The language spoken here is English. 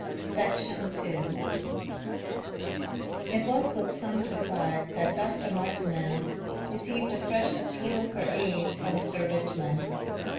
Section 2 It was with some surprise that Dr. Martineau received a fresh appeal for aid from Sir Richmond.